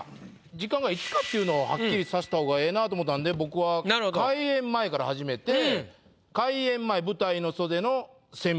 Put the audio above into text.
時間がいつかっていうのをはっきりさせた方がええなと思たんで僕は「開演前」から始めて「開演前舞台の袖の扇風機」。